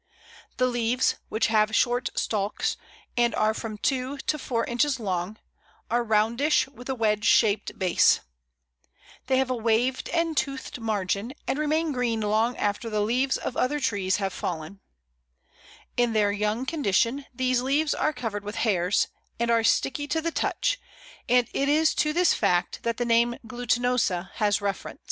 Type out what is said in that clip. The leaves, which have short stalks, and are from two to four inches long, are roundish with a wedge shaped base. They have a waved and toothed margin, and remain green long after the leaves of other trees have fallen. In their young condition these leaves are covered with hairs, and are sticky to the touch, and it is to this fact that the name glutinosa has reference. [Illustration: Pl. 18. Catkins of Alder.] [Illustration: _Pl. 19.